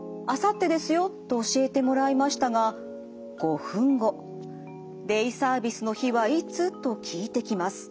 と教えてもらいましたが５分後「デイサービスの日はいつ？」と聞いてきます。